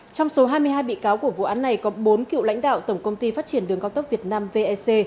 trong số hai mươi hai bị cáo của vụ án này có bốn cựu lãnh đạo tổng công ty phát triển đường cao tốc việt nam vec